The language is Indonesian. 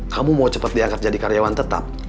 kamu mau cepat diangkat jadi karyawan tetap